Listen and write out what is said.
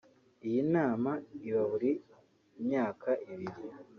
Iyi nama iba buri myaka ibiri